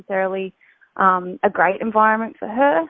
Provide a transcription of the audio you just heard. alam yang bagus bagi dia